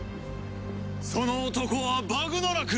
その男はバグナラクの。